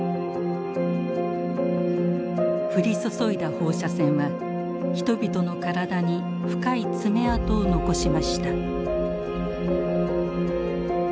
降り注いだ放射線は人々の体に深い爪痕を残しました。